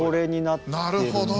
なるほど。